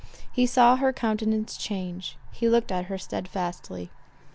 He saw her countenance change—he looked at her steadfastly.